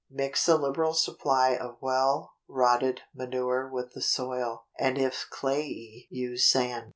Mix a liberal supply of well rotted manure with the soil, and if clayey, use sand.